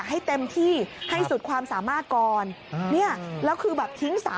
ให้เต็มที่ให้สุดความสามารถก่อนเนี่ยแล้วคือแบบทิ้ง